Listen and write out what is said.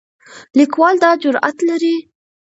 لیکوال دا جرئت لري.